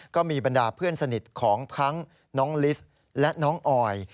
ก็มีบรรดาเพื่อนสนิทของทั้งน้องลิสและน้องออย